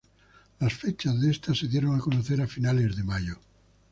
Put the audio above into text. Las fechas de esta se dieron a conocer a finales de mayo.